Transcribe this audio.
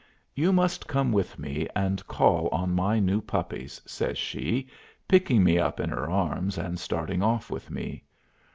"You must come with me and call on my new puppies," says she, picking me up in her arms and starting off with me.